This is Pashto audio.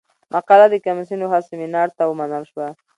مقاله د کمیسیون له خوا سیمینار ته ومنل شوه.